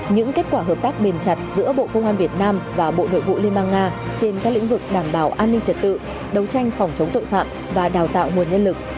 những kết quả hợp tác bền chặt giữa bộ công an việt nam và bộ nội vụ liên bang nga trên các lĩnh vực đảm bảo an ninh trật tự đấu tranh phòng chống tội phạm và đào tạo nguồn nhân lực